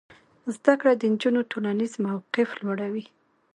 زده کړه د نجونو ټولنیز موقف لوړوي.